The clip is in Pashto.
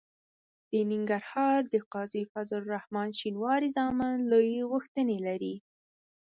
د ننګرهار د قاضي فضل الرحمن شینواري زامن لویې غوښتنې لري.